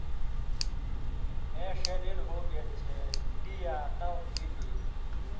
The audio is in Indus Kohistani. مے ݜے لیل ہُوگے چےۡ ہی یاں نؤں دی دی